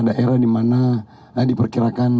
daerah dimana diperkirakan